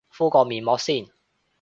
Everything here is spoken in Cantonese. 敷個面膜先